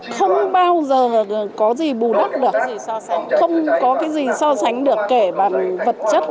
không bao giờ có gì bù đắp được không có gì so sánh được kể bằng vật chất